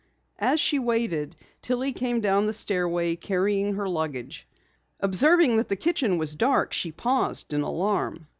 As she waited, Tillie came down the stairway, carrying her luggage. Observing that the kitchen was dark, she paused in alarm.